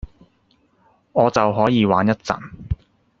我就可以玩一陣